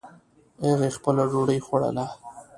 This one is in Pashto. هغې خپله ډوډۍ خوړله